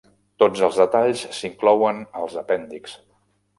Tots els detalls s'inclouen als apèndixs.